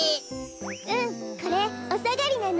うんこれおさがりなの。